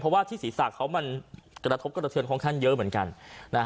เพราะว่าที่ศีรษะเขามันกระทบกระเทือนค่อนข้างเยอะเหมือนกันนะฮะ